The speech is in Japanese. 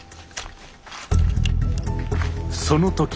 その時。